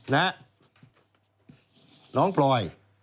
น้องพลอย